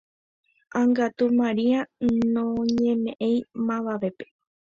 Ág̃akatu Maria noñemeʼẽi mavavépe.